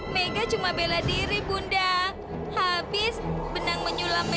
sampai jumpa di video selanjutnya